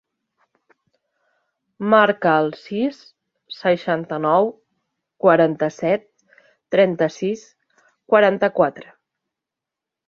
Marca el sis, seixanta-nou, quaranta-set, trenta-sis, quaranta-quatre.